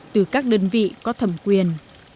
từ các đơn vị có thẩm quyền